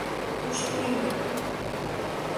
— Кушто Нина?